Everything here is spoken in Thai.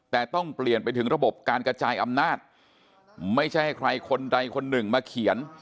แต่ต้องเปลี่ยนไปถึงระบบการกระจายอำนาจไม่ใช่ให้ใครคนใดคนหนึ่งมาเขียน